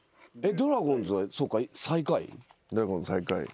ドラゴンズ最下位。